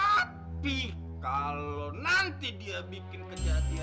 tapi kalau nanti dia bikin kejahatian lainnya